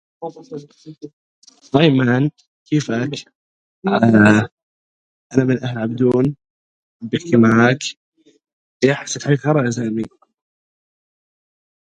Fripp, who is known for his cross-picking, teaches the technique in Guitar Craft.